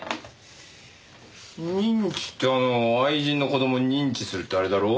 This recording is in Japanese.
認知ってあの愛人の子供を認知するってあれだろ？